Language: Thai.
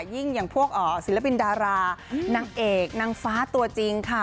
อย่างพวกศิลปินดารานางเอกนางฟ้าตัวจริงค่ะ